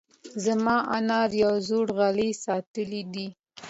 زما انا یو زوړ غالۍ ساتلی دی.